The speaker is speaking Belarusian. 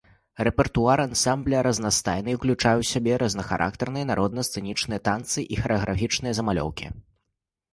Рэпертуар ансамбля разнастайны, і ўключае ў сябе рознахарактарныя народна-сцэнічныя танцы і харэаграфічныя замалёўкі.